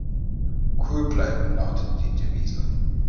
Cool bleiben lautet die Devise.